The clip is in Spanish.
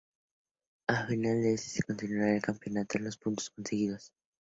Al final de este se continuará el campeonato con los puntos conseguidos.